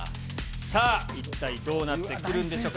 さあ、一体どうなってくるんでしょうか。